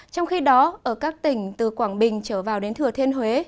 trong khi đó ở các tỉnh từ quảng bình trở vào đến thừa thiên huế